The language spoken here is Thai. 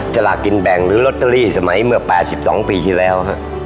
สลากกินแบ่งหรือลอตเตอรี่สมัยเมื่อ๘๒ปีที่แล้ว